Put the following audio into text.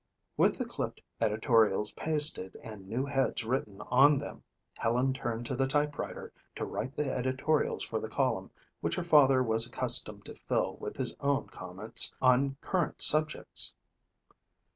With the clipped editorials pasted and new heads written on them, Helen turned to the typewriter to write the editorials for the column which her father was accustomed to fill with his own comments on current subjects.